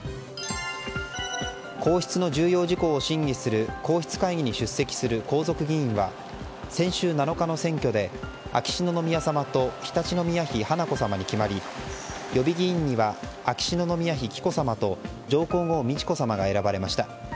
皇室の重要事項を審議する皇室会議に出席する皇族議員は、先週７日の選挙で秋篠宮さまと常陸宮妃華子さまに決まり予備議員には秋篠宮妃紀子さまと上皇后・美智子さまが選ばれました。